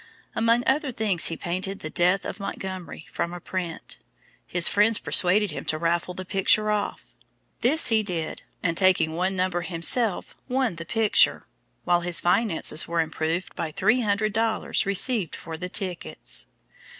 Among other things he painted the "Death of Montgomery" from a print. His friends persuaded him to raffle the picture off. This he did, and taking one number himself, won the picture, while his finances were improved by three hundred dollars received for the tickets.